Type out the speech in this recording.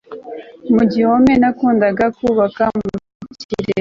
Mu gihome nakundaga kubaka mu kirere